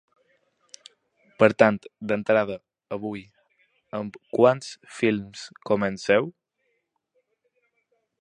Per tant, d’entrada, avui, amb quants films comenceu?